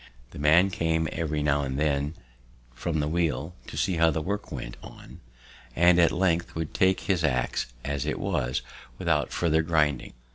The man came every now and then from the wheel to see how the work went on, and at length would take his ax as it was, without farther grinding.